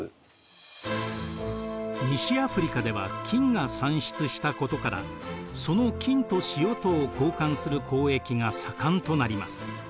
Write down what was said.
西アフリカでは金が産出したことからその金と塩とを交換する交易が盛んとなります。